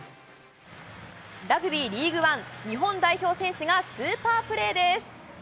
ラグビーリーグワン、日本代表選手がスーパープレーです。